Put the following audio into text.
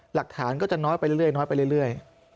หลักฐานก็จะน้อยไปเรื่อย